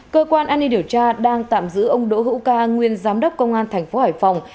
cơ quan an ninh điều tra đang tạm giữ ông đỗ hữu uca nguyên giám đốc công an tp hải phòng